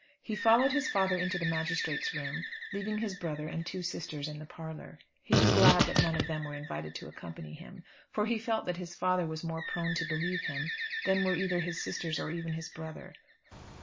He followed his father into the magistrates' room, leaving his brother and two sisters in the parlour. He was glad that none of them were invited to accompany him, for he felt that his father was more prone to believe him, than were either his sisters or even his brother.